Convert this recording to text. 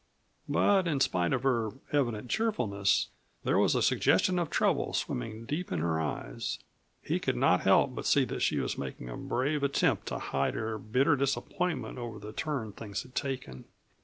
But in spite of her evident cheerfulness there was a suggestion of trouble swimming deep in her eyes; he could not help but see that she was making a brave attempt to hide her bitter disappointment over the turn things had taken.